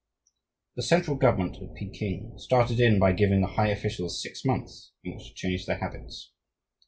The central government at Peking started in by giving the high officials six months in which to change their habits.